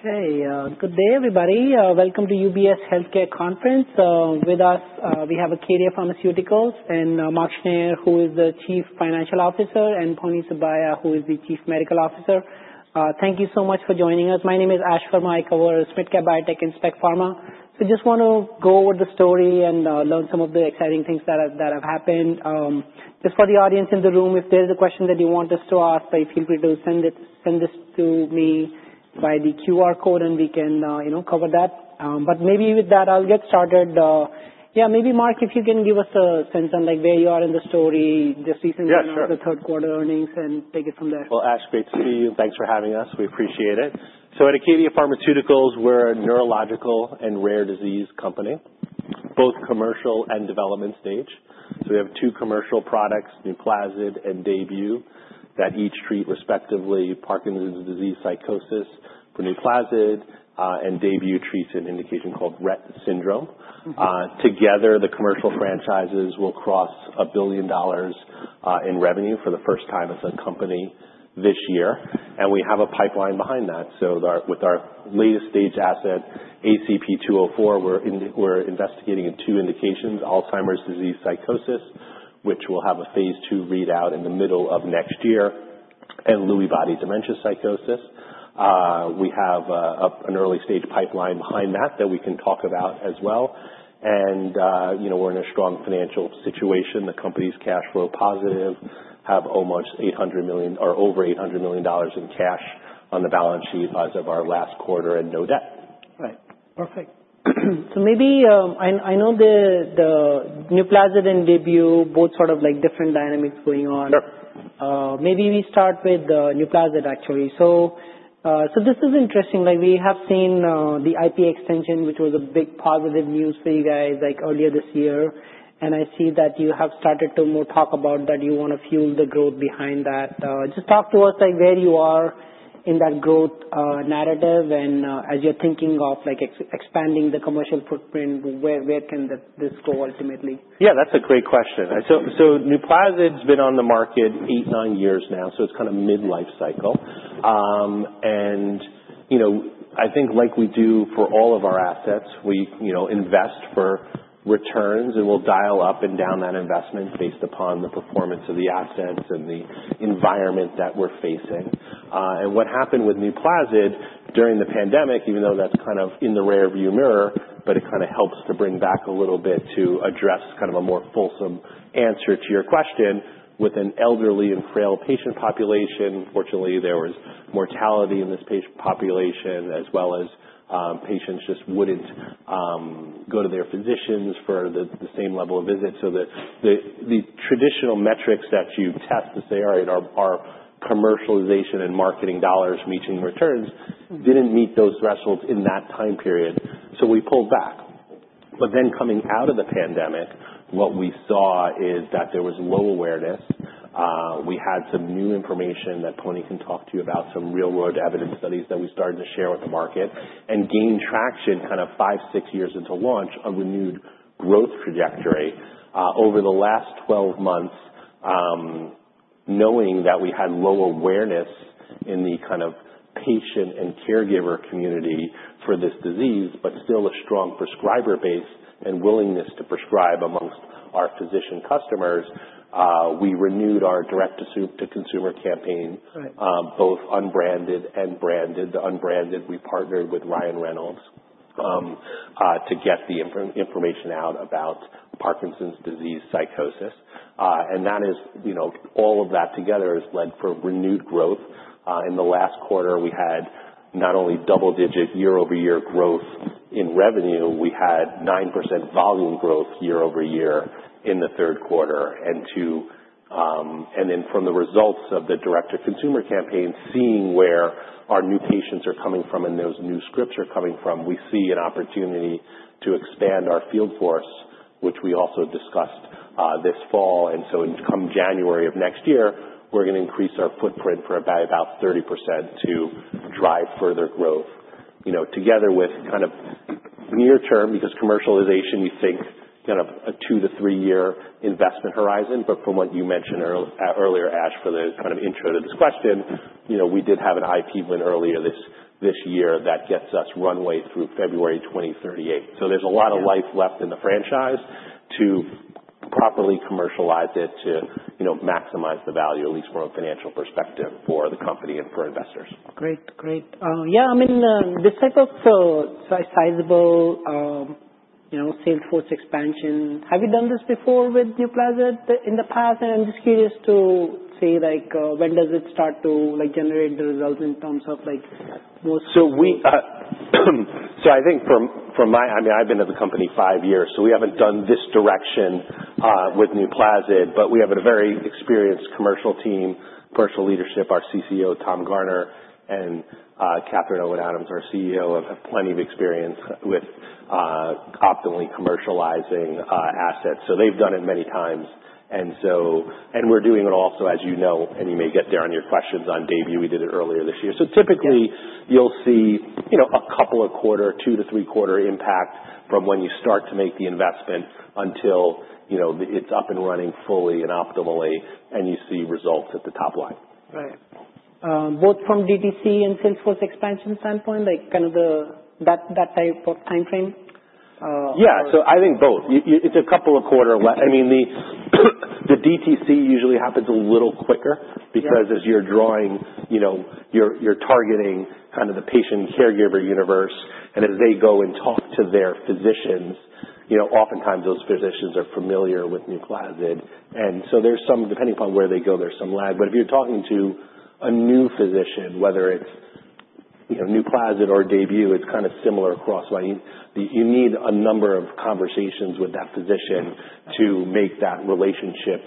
Okay. Good day, everybody. Welcome to UBS Healthcare Conference. With us, we have ACADIA Pharmaceuticals and Mark Schneyer, who is the Chief Financial Officer, and Ponni Subbiah, who is the Chief Medical Officer. Thank you so much for joining us. My name is Ash Verma. I cover SMID Cap Biotech and Specialty Pharma. So I just want to go over the story and learn some of the exciting things that have happened. Just for the audience in the room, if there is a question that you want us to ask, feel free to send this to me via the QR code, and we can cover that. But maybe with that, I'll get started. Yeah, maybe Mark, if you can give us a sense on where you are in the story, just recently announced the third quarter earnings, and take it from there. Well, Ash, great to see you. Thanks for having us. We appreciate it. So at ACADIA Pharmaceuticals, we're a neurological and rare disease company, both commercial and development stage. So we have two commercial products, Nuplazid and Daybue, that each treat respectively Parkinson's disease, psychosis for Nuplazid, and Daybue treats an indication called Rett syndrome. Together, the commercial franchises will cross $1 billion in revenue for the first time as a company this year. And we have a pipeline behind that. So with our late-stage asset, ACP-204, we're investigating two indications: Alzheimer's disease, psychosis, which will have a Phase II readout in the middle of next year, and Lewy body dementia, psychosis. We have an early stage pipeline behind that that we can talk about as well. And we're in a strong financial situation. The company is cash flow positive. We have almost over $800 million in cash on the balance sheet as of our last quarter and no debt. Right. Perfect. So maybe I know the Nuplazid and Daybue, both sort of different dynamics going on. Maybe we start with Nuplazid, actually. So this is interesting. We have seen the IP extension, which was a big positive news for you guys earlier this year. And I see that you have started to more talk about that you want to fuel the growth behind that. Just talk to us where you are in that growth narrative and as you're thinking of expanding the commercial footprint, where can this go ultimately? Yeah, that's a great question, so Nuplazid's been on the market eight, nine years now, so it's kind of mid-life cycle, and I think like we do for all of our assets, we invest for returns, and we'll dial up and down that investment based upon the performance of the assets and the environment that we're facing, and what happened with Nuplazid during the pandemic, even though that's kind of in the rearview mirror, but it kind of helps to bring back a little bit to address kind of a more fulsome answer to your question. With an elderly and frail patient population, fortunately, there was mortality in this patient population, as well as patients just wouldn't go to their physicians for the same level of visit. So the traditional metrics that you test to say, "All right, our commercialization and marketing dollars meeting returns didn't meet those thresholds in that time period," so we pulled back. But then coming out of the pandemic, what we saw is that there was low awareness. We had some new information that Ponni can talk to you about, some real-world evidence studies that we started to share with the market, and gained traction kind of five, six years into launch a renewed growth trajectory over the last 12 months, knowing that we had low awareness in the kind of patient and caregiver community for this disease, but still a strong prescriber base and willingness to prescribe amongst our physician customers. We renewed our direct-to-consumer campaign, both unbranded and branded. The unbranded, we partnered with Ryan Reynolds to get the information out about Parkinson's disease psychosis. That is all of that together has led to renewed growth. In the last quarter, we had not only double-digit year-over-year growth in revenue. We had 9% volume growth year-over-year in the third quarter. From the results of the direct-to-consumer campaign, seeing where our new patients are coming from and those new scripts are coming from, we see an opportunity to expand our field force, which we also discussed this fall. Come January of next year, we're going to increase our footprint by about 30% to drive further growth together with kind of near-term, because commercialization, you think kind of a 2-3 year investment horizon. From what you mentioned earlier, Ash, for the kind of intro to this question, we did have an IP win earlier this year that gets us runway through February 2038. So there's a lot of life left in the franchise to properly commercialize it to maximize the value, at least from a financial perspective for the company and for investors. Great. Great. Yeah. I mean, this type of sizable sales force expansion, have you done this before with Nuplazid in the past, and I'm just curious to see when does it start to generate the results in terms of most. I think from my—I mean, I've been at the company five years, so we haven't done this direction with Nuplazid, but we have a very experienced commercial team, commercial leadership. Our CCO, Tom Garner, and Catherine Owen Adams, our CEO, have plenty of experience with optimally commercializing assets. So they've done it many times. And we're doing it also, as you know, and you may get there on your questions on Daybue. We did it earlier this year. So typically, you'll see a couple of quarter, 2-3 quarter impact from when you start to make the investment until it's up and running fully and optimally, and you see results at the top line. Right. Both from DTC and sales force expansion standpoint, kind of that type of time frame? Yeah. So I think both. It's a couple of quarters. I mean, the DTC usually happens a little quicker because as you're drawing, you're targeting kind of the patient caregiver universe. And as they go and talk to their physicians, oftentimes those physicians are familiar with Nuplazid. And so there's some, depending upon where they go, there's some lag. But if you're talking to a new physician, whether it's Nuplazid or Daybue, it's kind of similar across line. You need a number of conversations with that physician to make that relationship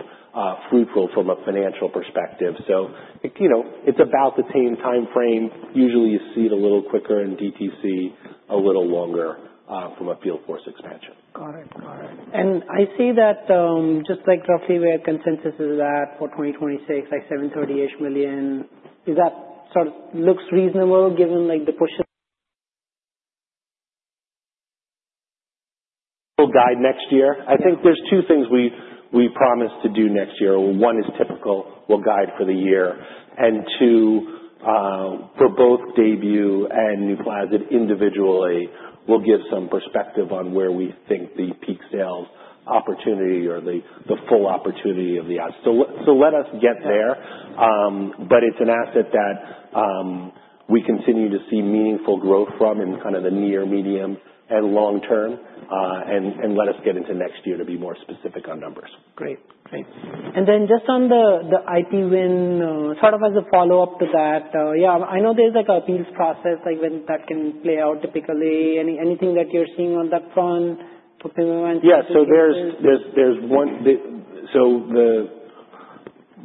fruitful from a financial perspective. So it's about the same time frame. Usually, you see it a little quicker in DTC, a little longer from a field force expansion. Got it. Got it. And I see that just roughly where consensus is at for 2026, like $730 million-ish. Is that sort of looks reasonable given the push? We'll guide next year. I think there's two things we promised to do next year. One is typical. We'll guide for the year. And two, for both Daybue and Nuplazid individually, we'll give some perspective on where we think the peak sales opportunity or the full opportunity of the assets. So let us get there. But it's an asset that we continue to see meaningful growth from in kind of the near, medium, and long-term. And let us get into next year to be more specific on numbers. Great. Great. And then just on the IP win, sort of as a follow-up to that, yeah, I know there's an appeals process when that can play out typically. Anything that you're seeing on that front? Yeah. So there's one. So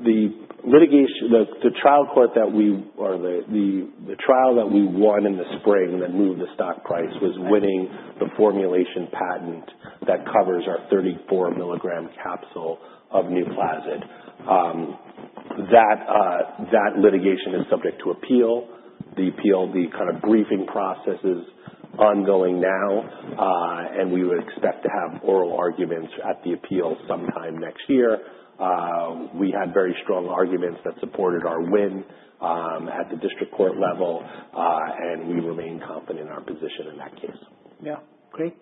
the litigation, the trial court that we—or the trial that we won in the spring that moved the stock price was winning the formulation patent that covers our 34 mg capsule of Nuplazid. That litigation is subject to appeal. The appeal, the kind of briefing process is ongoing now. And we would expect to have oral arguments at the appeal sometime next year. We had very strong arguments that supported our win at the district court level. And we remain confident in our position in that case. Yeah. Great.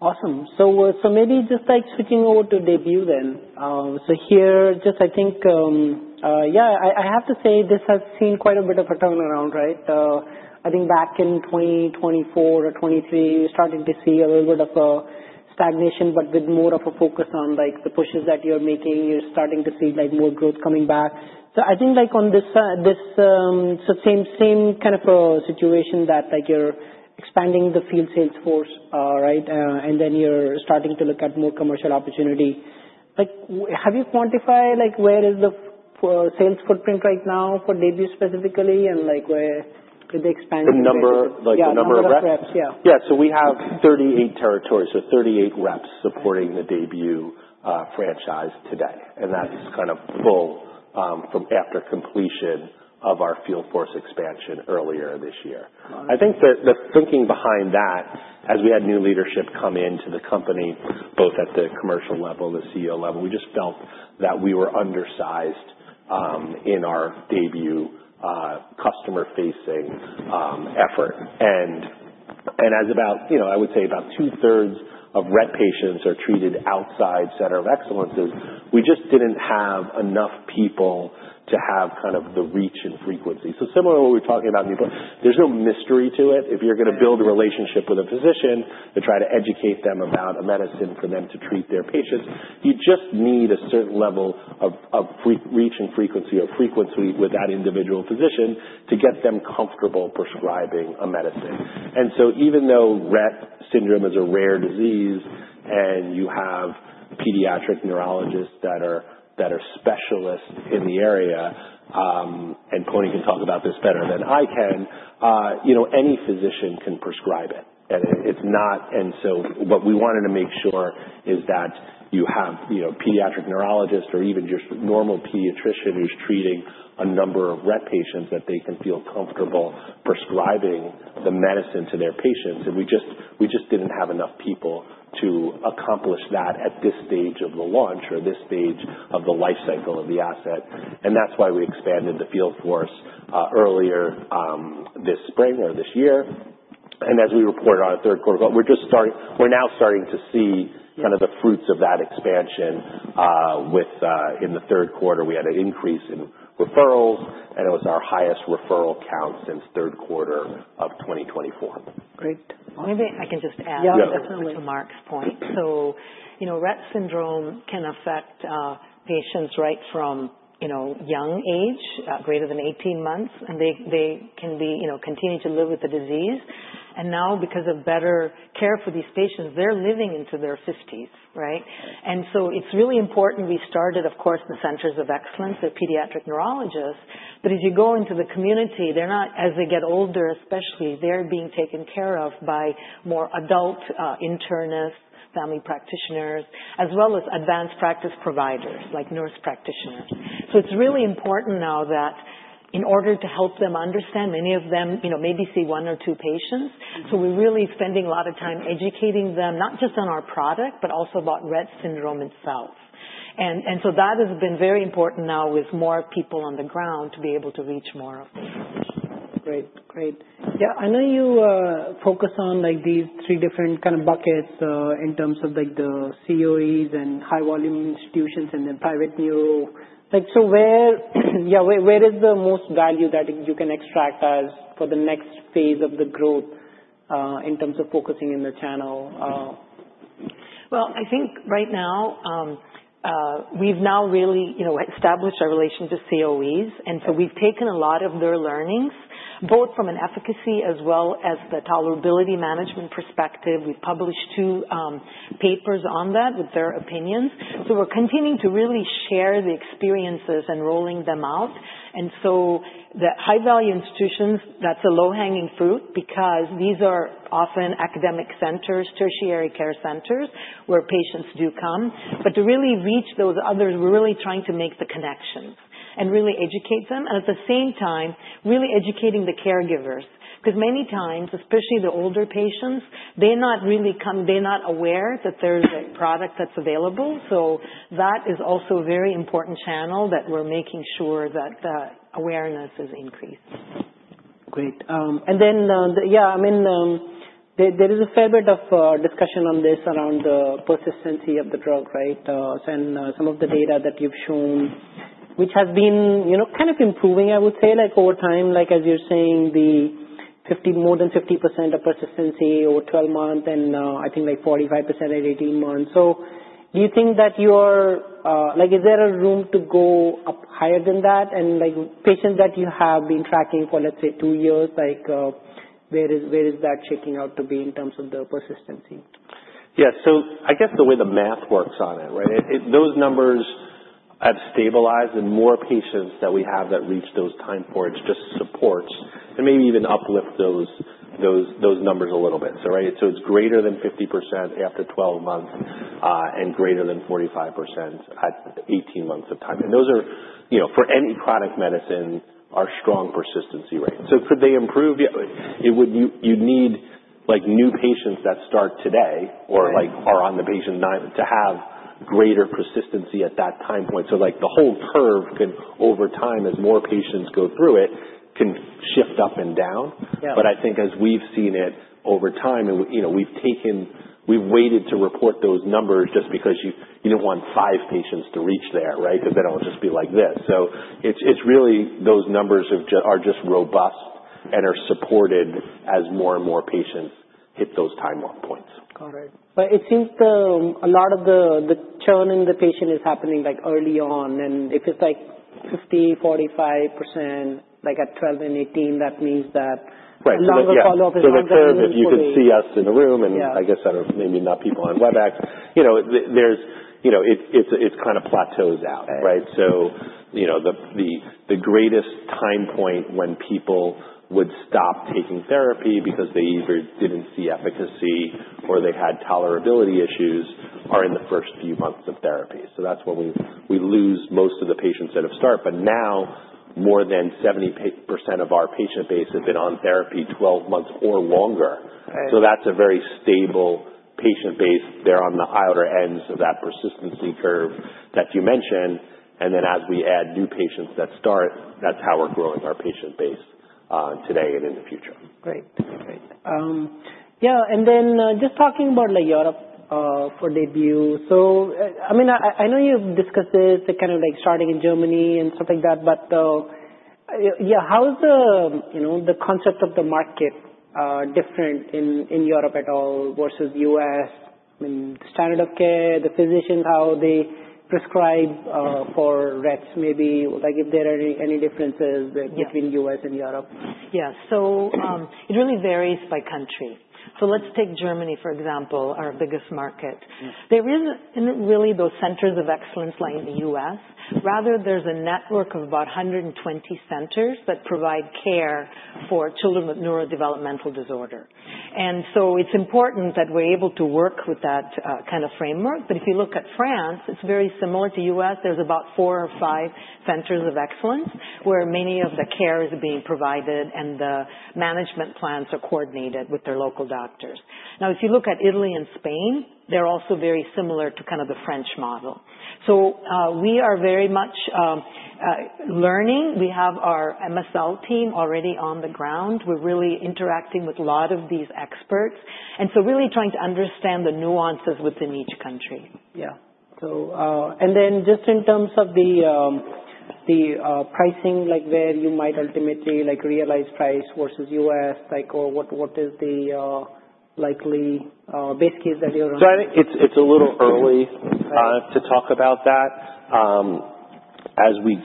Awesome. So maybe just switching over to Daybue then. So here, just I think, yeah, I have to say this has seen quite a bit of a turnaround, right? I think back in 2024 or 2023, you're starting to see a little bit of a stagnation, but with more of a focus on the pushes that you're making. You're starting to see more growth coming back. So I think on this same kind of situation that you're expanding the field sales force, right? And then you're starting to look at more commercial opportunity. Have you quantified where is the sales footprint right now for Daybue specifically? And where is the expansion? The number of reps? Yeah. Yeah. So we have 38 territories. So 38 reps supporting the Daybue franchise today. And that's kind of full from after completion of our field force expansion earlier this year. I think the thinking behind that, as we had new leadership come into the company, both at the commercial level, the CEO level, we just felt that we were undersized in our Daybue customer-facing effort. And as I would say, about two-thirds of Rett patients are treated outside center of excellence, we just didn't have enough people to have kind of the reach and frequency. So similar to what we're talking about, there's no mystery to it. If you're going to build a relationship with a physician to try to educate them about a medicine for them to treat their patients, you just need a certain level of reach and frequency or frequency with that individual physician to get them comfortable prescribing a medicine. And so even though Rett syndrome is a rare disease and you have pediatric neurologists that are specialists in the area, and Ponni can talk about this better than I can, any physician can prescribe it. And so what we wanted to make sure is that you have pediatric neurologists or even just normal pediatricians who's treating a number of Rett patients that they can feel comfortable prescribing the medicine to their patients. And we just didn't have enough people to accomplish that at this stage of the launch or this stage of the life cycle of the asset. That's why we expanded the field force earlier this spring or this year. As we reported on our third quarter, we're now starting to see kind of the fruits of that expansion. In the third quarter, we had an increase in referrals, and it was our highest referral count since third quarter of 2024. Great. Maybe I can just add to Mark's point. So Rett syndrome can affect patients right from young age, greater than 18 months, and they can continue to live with the disease. And now, because of better care for these patients, they're living into their 50s, right? And so it's really important. We started, of course, the centers of excellence, the pediatric neurologists. But as you go into the community, they're not, as they get older especially, they're being taken care of by more adult internists, family practitioners, as well as advanced practice providers like nurse practitioners. So it's really important now that in order to help them understand, many of them maybe see one or two patients. So we're really spending a lot of time educating them, not just on our product, but also about Rett syndrome itself. And so that has been very important now with more people on the ground to be able to reach more of them. Great. Great. Yeah. I know you focus on these three different kind of buckets in terms of the COEs and high-volume institutions and then private neuro. So where is the most value that you can extract for the next phase of the growth in terms of focusing in the channel? I think right now, we've now really established our relation to COEs, and so we've taken a lot of their learnings, both from an efficacy as well as the tolerability management perspective. We published two papers on that with their opinions, so we're continuing to really share the experiences and rolling them out, and so the high-value institutions, that's a low-hanging fruit because these are often academic centers, tertiary care centers where patients do come, but to really reach those others, we're really trying to make the connections and really educate them, and at the same time, really educating the caregivers because many times, especially the older patients, they're not really coming. They're not aware that there's a product that's available, so that is also a very important channel that we're making sure that awareness is increased. Great. And then, yeah, I mean, there is a fair bit of discussion on this around the persistency of the drug, right? And some of the data that you've shown, which has been kind of improving, I would say, over time, as you're saying, more than 50% of persistency over 12 months and I think like 45% at 18 months. So, is there a room to go up higher than that? And patients that you have been tracking for, let's say, two years, where is that checking out to be in terms of the persistency? Yeah. So I guess the way the math works on it, right? Those numbers have stabilized, and more patients that we have that reach those time points just supports and maybe even uplifts those numbers a little bit. So it's greater than 50% after 12 months and greater than 45% at 18 months of time. And those are, for any chronic medicine, our strong persistency rate. So could they improve? You'd need new patients that start today or are on therapy to have greater persistency at that time point. So the whole curve can, over time, as more patients go through it, can shift up and down. But I think as we've seen it over time, we've waited to report those numbers just because you don't want five patients to reach there, right? Because they don't just be like this. So it's really those numbers are just robust and are supported as more and more patients hit those time-off points. Got it. But it seems a lot of the churn in the patient is happening early on. And if it's like 50%, 45% at 12 and 18 months, that means that longer follow-up is not going to be as effective. Right. So let's say that you can see us in a room, and I guess there are maybe not people on WebEx. It kind of plateaus out, right? So the greatest time point when people would stop taking therapy because they either didn't see efficacy or they had tolerability issues are in the first few months of therapy. So that's when we lose most of the patients that have started. But now, more than 70% of our patient base have been on therapy 12 months or longer. So that's a very stable patient base. They're on the outer ends of that persistency curve that you mentioned. And then as we add new patients that start, that's how we're growing our patient base today and in the future. Great. Great. Yeah. And then just talking about Europe for Daybue. So I mean, I know you've discussed it, kind of starting in Germany and stuff like that. But yeah, how is the concept of the market different in Europe at all versus the U.S.? I mean, the standard of care, the physicians, how they prescribe for Rett maybe, if there are any differences between the U.S. and Europe? Yeah. So it really varies by country. So let's take Germany, for example, our biggest market. There isn't really those centers of excellence like in the U.S. Rather, there's a network of about 120 centers that provide care for children with neurodevelopmental disorder. And so it's important that we're able to work with that kind of framework. But if you look at France, it's very similar to the U.S. There's about four or five centers of excellence where many of the care is being provided and the management plans are coordinated with their local doctors. Now, if you look at Italy and Spain, they're also very similar to kind of the French model. So we are very much learning. We have our MSL team already on the ground. We're really interacting with a lot of these experts. And so really trying to understand the nuances within each country. Yeah, and then just in terms of the pricing, where you might ultimately realize price versus U.S., or what is the likely base case that you're running? So it's a little early to talk about that. As we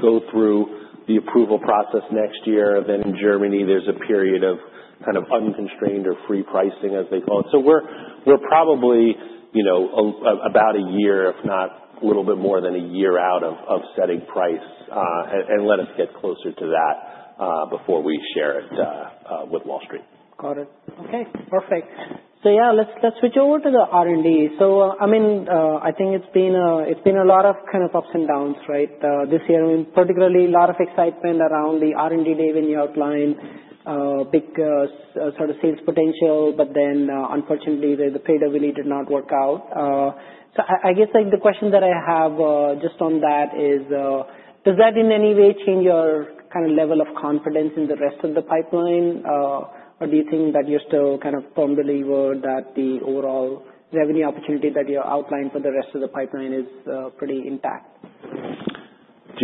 go through the approval process next year, then in Germany, there's a period of kind of unconstrained or free pricing, as they call it. So we're probably about a year, if not a little bit more than a year out of setting price. And let us get closer to that before we share it with Wall Street. Got it. Okay. Perfect. So yeah, let's switch over to the R&D. So I mean, I think it's been a lot of kind of ups and downs, right? This year, particularly a lot of excitement around the R&D day when you outlined big sort of sales potential, but then unfortunately, the Prader-Willi did not work out. So I guess the question that I have just on that is, does that in any way change your kind of level of confidence in the rest of the pipeline? Or do you think that you're still kind of firmly believe that the overall revenue opportunity that you outlined for the rest of the pipeline is pretty intact?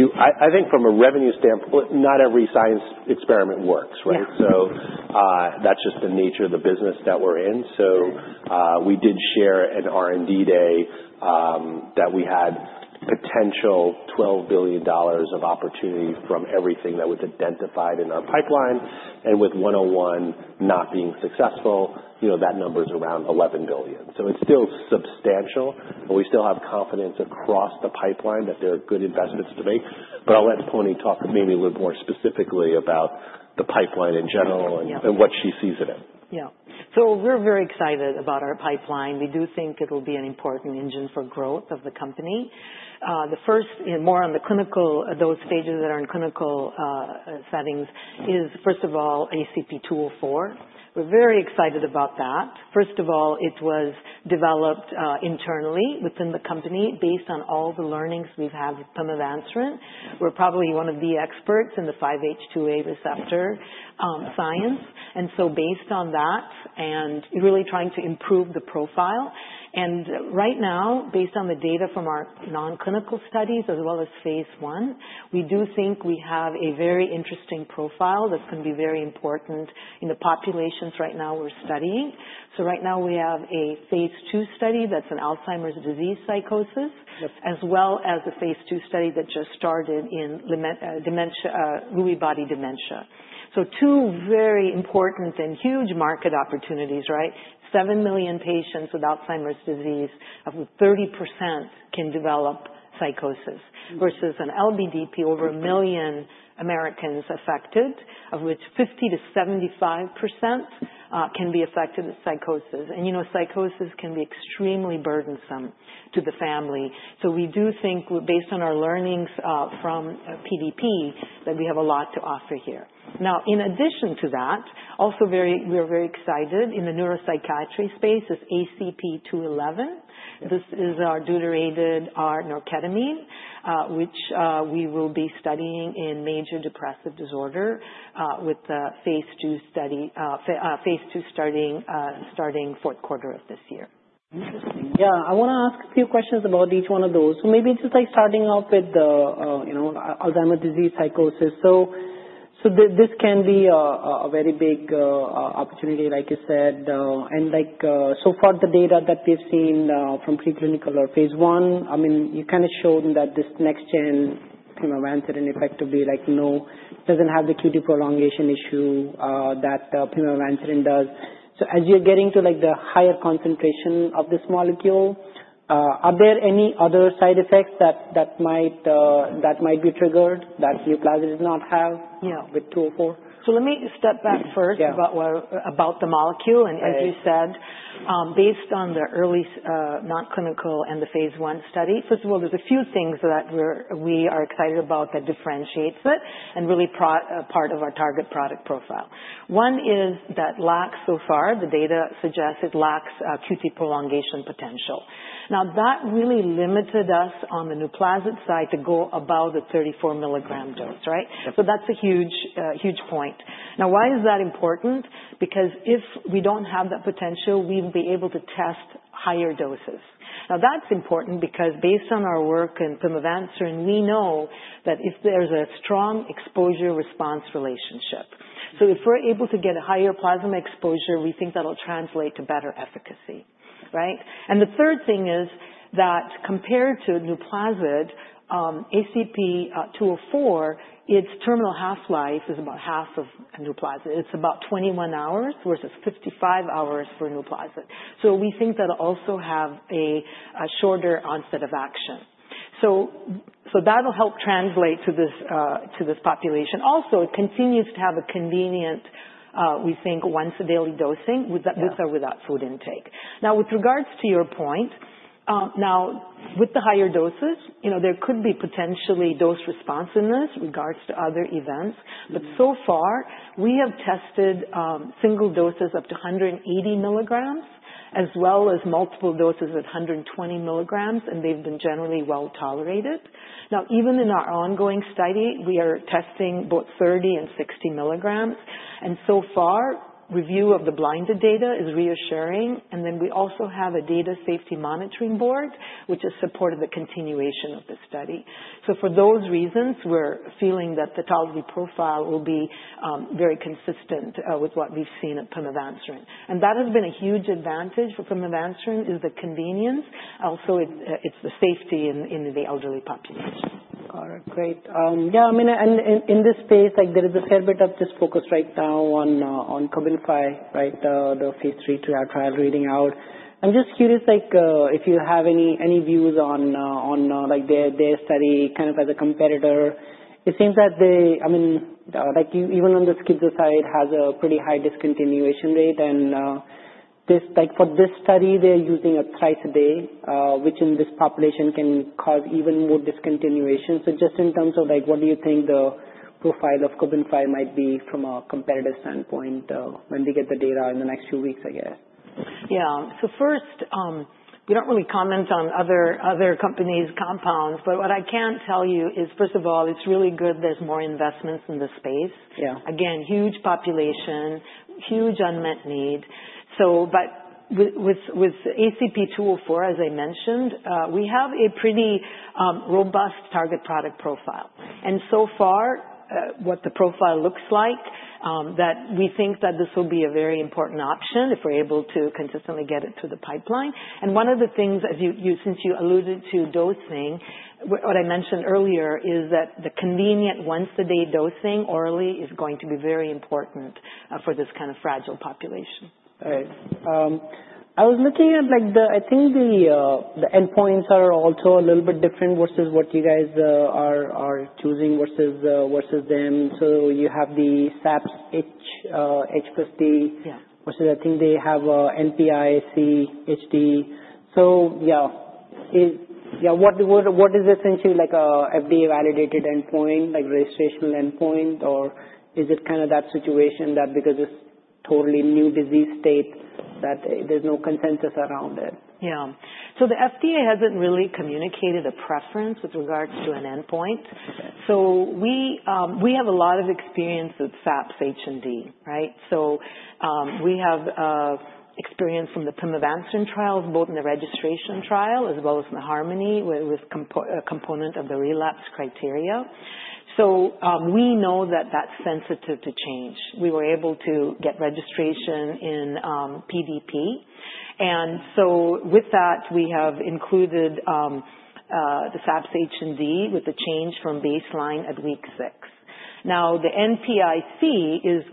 I think from a revenue standpoint, not every science experiment works, right? So that's just the nature of the business that we're in. So we did share an R&D day that we had potential $12 billion of opportunity from everything that was identified in our pipeline. And with 101 not being successful, that number is around $11 billion. So it's still substantial, and we still have confidence across the pipeline that there are good investments to make. But I'll let Ponni talk maybe a little bit more specifically about the pipeline in general and what she sees in it. Yeah. So we're very excited about our pipeline. We do think it will be an important engine for growth of the company. The first, more on the clinical, those stages that are in clinical settings is, first of all, ACP-204. We're very excited about that. First of all, it was developed internally within the company based on all the learnings we've had from pimavanserin. We're probably one of the experts in the 5-HT2A receptor science. And so based on that, and really trying to improve the profile. And right now, based on the data from our non-clinical studies as well as Phase I, we do think we have a very interesting profile that's going to be very important in the populations right now we're studying. So right now, we have a Phase II study that's an Alzheimer's disease psychosis, as well as a Phase II study that just started in Lewy body dementia. So two very important and huge market opportunities, right? 7 million patients with Alzheimer's disease, of which 30% can develop psychosis, versus an LBDP over 1 million Americans affected, of which 50%-75% can be affected with psychosis. And psychosis can be extremely burdensome to the family. So we do think, based on our learnings from PDP, that we have a lot to offer here. Now, in addition to that, also we're very excited in the neuropsychiatry space is ACP-211. This is our deuterated norketamine, which we will be studying in major depressive disorder with the Phase II study starting fourth quarter of this year. Interesting. Yeah. I want to ask a few questions about each one of those. So maybe just starting off with Alzheimer's disease psychosis. So this can be a very big opportunity, like you said. And so far, the data that we've seen from preclinical or Phase I, I mean, you kind of showed that this next gen, pimavanserin, effectively doesn't have the QT prolongation issue that pimavanserin does. So as you're getting to the higher concentration of this molecule, are there any other side effects that might be triggered that Nuplazid does not have with 204? Let me step back first about the molecule. And as you said, based on the early non-clinical and the Phase I study, first of all, there's a few things that we are excited about that differentiates it and really part of our target product profile. One is that lacks so far, the data suggests it lacks QT prolongation potential. Now, that really limited us on the Nuplazid side to go above the 34 mg dose, right? So that's a huge point. Now, why is that important? Because if we don't have that potential, we will be able to test higher doses. Now, that's important because based on our work in pimavanserin, we know that if there's a strong exposure-response relationship, so if we're able to get a higher plasma exposure, we think that'll translate to better efficacy, right? The third thing is that compared to Nuplazid, ACP-204, its terminal half-life is about half of Nuplazid. It's about 21 hours versus 55 hours for Nuplazid. We think that'll also have a shorter onset of action. That'll help translate to this population. Also, it continues to have a convenient, we think, once-daily dosing with or without food intake. Now, with regard to your point, with the higher doses, there could be potentially dose responsiveness in regard to other events. But so far, we have tested single doses up to 180 mg as well as multiple doses at 120 mg, and they've been generally well tolerated. Now, even in our ongoing study, we are testing both 30 and 60 mg. And so far, review of the blinded data is reassuring. Then we also have a data safety monitoring board, which has supported the continuation of the study. For those reasons, we're feeling that the tolerability profile will be very consistent with what we've seen with pimavanserin. That has been a huge advantage for pimavanserin. It's the convenience. Also, it's the safety in the elderly population. Got it. Great. Yeah. I mean, and in this space, there is a fair bit of this focus right now on Cobenfy, right? The Phase III trial reading out. I'm just curious if you have any views on their study kind of as a competitor. It seems that they, I mean, even on the schizo side, have a pretty high discontinuation rate. And for this study, they're using a thrice a day, which in this population can cause even more discontinuation. So just in terms of what do you think the profile of Cobenfy might be from a competitive standpoint when we get the data in the next few weeks, I guess? Yeah. So first, we don't really comment on other companies' compounds. But what I can tell you is, first of all, it's really good there's more investments in the space. Again, huge population, huge unmet need. But with ACP-204, as I mentioned, we have a pretty robust target product profile. And so far, what the profile looks like, we think that this will be a very important option if we're able to consistently get it through the pipeline. And one of the things, since you alluded to dosing, what I mentioned earlier is that the convenient once-a-day dosing orally is going to be very important for this kind of fragile population. All right. I was looking at the, I think the endpoints are also a little bit different versus what you guys are choosing versus them. So you have the SAPS-H+D, which I think they have NPI-C. So yeah, what is essentially like an FDA-validated endpoint, like a registration endpoint? Or is it kind of that situation that because it's totally new disease state that there's no consensus around it? Yeah. So the FDA hasn't really communicated a preference with regards to an endpoint. So we have a lot of experience with SAPS-H+D, right? So we have experience from the pimavanserin trials, both in the registration trial as well as in the harmony with a component of the relapse criteria. So we know that that's sensitive to change. We were able to get registration in PDP. And so with that, we have included the SAPS-H+D with the change from baseline at week six. Now, the NPI-C is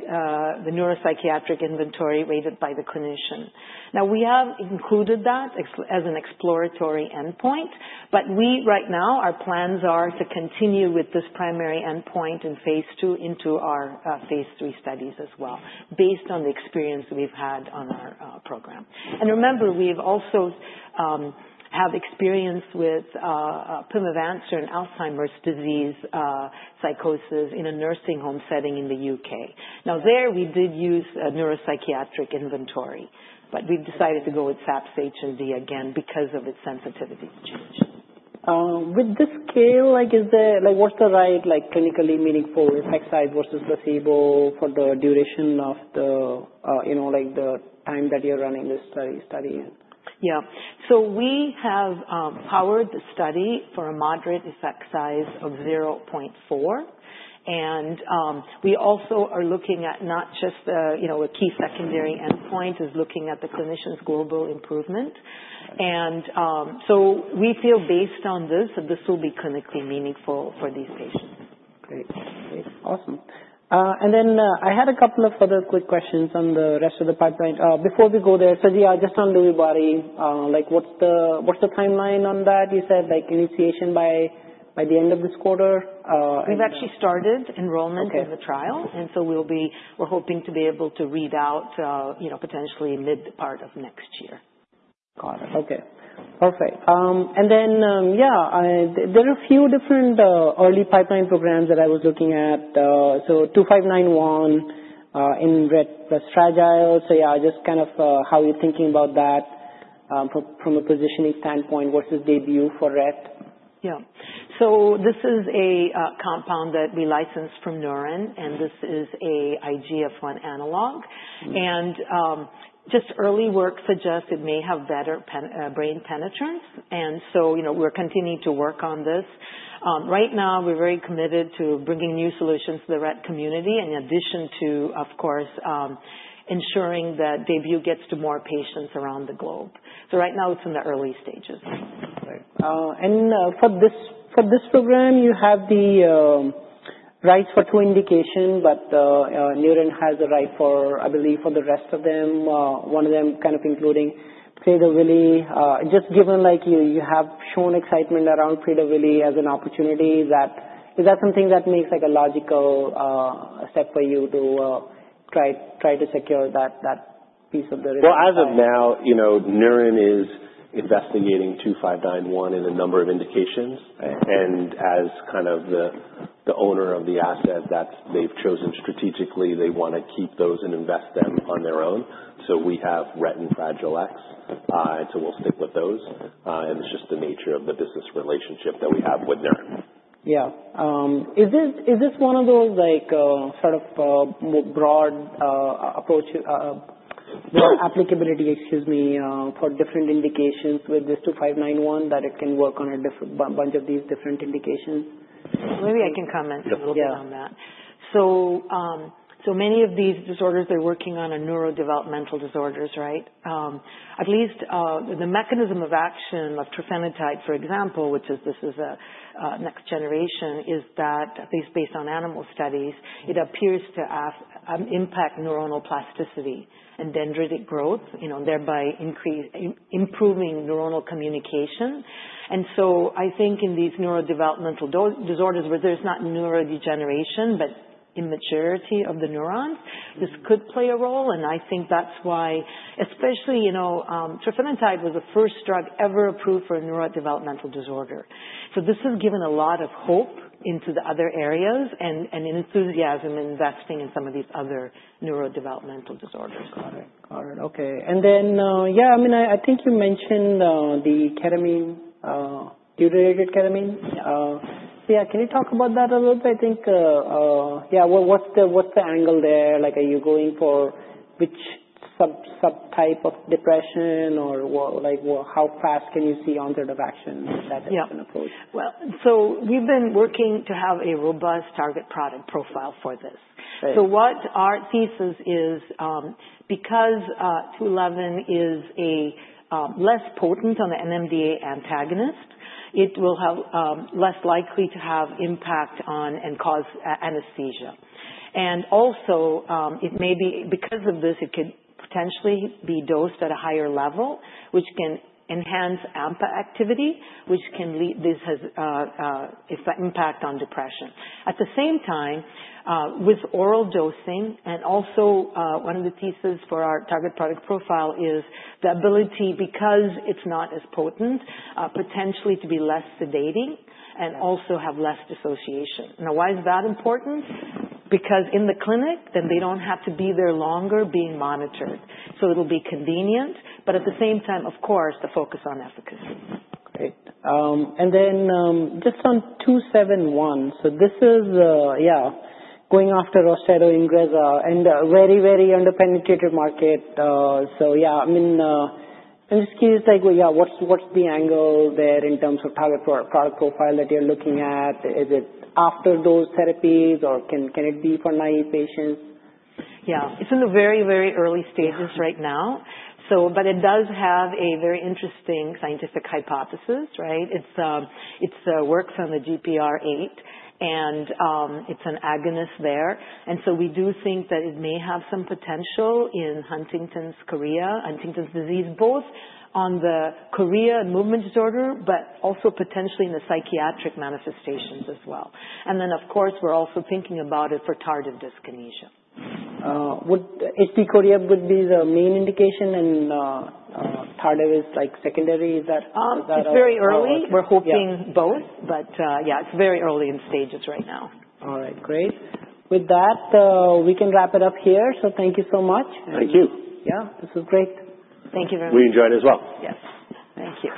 the neuropsychiatric inventory rated by the clinician. Now, we have included that as an exploratory endpoint. But right now, our plans are to continue with this primary endpoint in Phase II into our Phase III studies as well, based on the experience we've had on our program. And remember, we also have experience with pimavanserin Alzheimer's disease psychosis in a nursing home setting in the U.K.. Now, there we did use a Neuropsychiatric Inventory. But we've decided to go with SAPS-H+D again because of its sensitivity to change. With this scale, what's the right clinically meaningful effect size versus placebo for the duration of the time that you're running this study? Yeah. So we have powered the study for a moderate effect size of 0.4. And we also are looking at not just a key secondary endpoint, is looking at the Clinician's Global Impression. And so we feel based on this, this will be clinically meaningful for these patients. Great. Great. Awesome. And then I had a couple of other quick questions on the rest of the pipeline. Before we go there, Subbiah, just on Lewy body, what's the timeline on that? You said initiation by the end of this quarter. We've actually started enrollment in the trial, and so we're hoping to be able to read out potentially mid-part of next year. Got it. Okay. Perfect. And then yeah, there are a few different early pipeline programs that I was looking at. So 2591 in Rett plus Fragile. So yeah, just kind of how you're thinking about that from a positioning standpoint versus Daybue for Rett. Yeah. So this is a compound that we licensed from Neuren, and this is an IGF-1 analog. And just early work suggests it may have better brain penetrance. And so we're continuing to work on this. Right now, we're very committed to bringing new solutions to the Rett community in addition to, of course, ensuring that Daybue gets to more patients around the globe. So right now, it's in the early stages. For this program, you have the rights for two indications, but Neuren has a right for, I believe, for the rest of them, one of them kind of including Prader-Willi. Just given you have shown excitement around Prader-Willi as an opportunity, is that something that makes a logical step for you to try to secure that piece of the research? As of now, Neuren is investigating 2591 in a number of indications. As kind of the owner of the asset that they've chosen strategically, they want to keep those and invest them on their own. We have Rett and Fragile X. We'll stick with those. It's just the nature of the business relationship that we have with Neuren. Yeah. Is this one of those sort of broad applicability, excuse me, for different indications with this 2591 that it can work on a bunch of these different indications? Maybe I can comment a little bit on that, so many of these disorders, they're working on neurodevelopmental disorders, right? At least the mechanism of action of trofinetide, for example, which this is a next generation, is that at least based on animal studies, it appears to impact neuronal plasticity and dendritic growth, thereby improving neuronal communication, and so I think in these neurodevelopmental disorders where there's not neurodegeneration, but immaturity of the neurons, this could play a role, and I think that's why, especially trofinetide was the first drug ever approved for a neurodevelopmental disorder, so this has given a lot of hope into the other areas and enthusiasm in investing in some of these other neurodevelopmental disorders. Got it. Got it. Okay. And then yeah, I mean, I think you mentioned the ketamine, deuterated ketamine. So yeah, can you talk about that a little bit? I think yeah, what's the angle there? Are you going for which subtype of depression or how fast can you see onset of action with that different approach? Yeah. Well, so we've been working to have a robust target product profile for this. So what our thesis is, because 211 is a less potent on the NMDA antagonist, it will be less likely to have impact on and cause anesthesia. And also, because of this, it could potentially be dosed at a higher level, which can enhance AMPA activity, which can lead to this impact on depression. At the same time, with oral dosing, and also one of the theses for our target product profile is the ability, because it's not as potent, potentially to be less sedating and also have less dissociation. Now, why is that important? Because in the clinic, then they don't have to be there longer being monitored. So it'll be convenient. But at the same time, of course, the focus on efficacy. Great. And then just on 271, so this is yeah, going after Austedo, Ingrezza, and a very, very underpenetrated market. So yeah, I mean, I'm just curious, yeah, what's the angle there in terms of target product profile that you're looking at? Is it after those therapies or can it be for naive patients? Yeah. It's in the very, very early stages right now. But it does have a very interesting scientific hypothesis, right? It works on the GPR88, and it's an agonist there. And so we do think that it may have some potential in Huntington's disease, both on the chorea and movement disorder, but also potentially in the psychiatric manifestations as well. And then, of course, we're also thinking about it for tardive dyskinesia. Would HD chorea be the main indication and tardive is secondary? Is that? It's very early. We're hoping both, but yeah, it's very early in stages right now. All right. Great. With that, we can wrap it up here. So thank you so much. Thank you. Yeah. This was great. Thank you very much. We enjoyed it as well. Yes. Thank you.